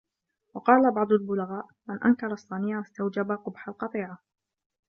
وَقَالَ بَعْضُ الْبُلَغَاءِ مَنْ أَنْكَرَ الصَّنِيعَةَ اسْتَوْجَبَ قُبْحَ الْقَطِيعَةِ